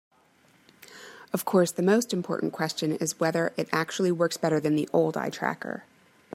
Of course, the most important question is whether it actually works better than the old eye tracker.